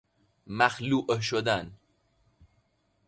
مخلوع شدن